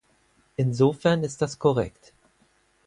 Insofern ist das korrekt.